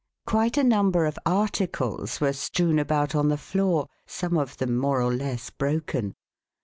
Quite a number of Articles were strewn about on the floor, some of them more or less broken.